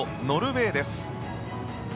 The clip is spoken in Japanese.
ノルウェーです。